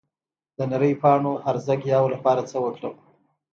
د نرۍ پاڼو هرزه ګیاوو لپاره څه وکړم؟